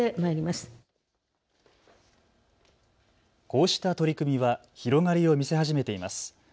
こうした取り組みは広がりを見せ始めています。